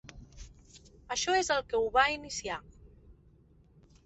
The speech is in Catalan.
Això és el que ho va iniciar.